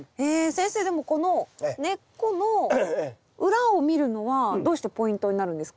先生でもこの根っこの裏を見るのはどうしてポイントになるんですか？